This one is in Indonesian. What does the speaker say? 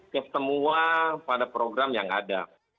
kesemua pada program yang ada